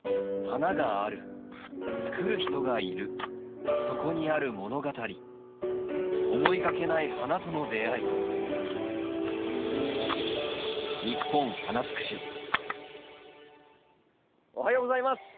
花があるつくる人がいるそこにある物語思いがけない花との出会いおはようございます。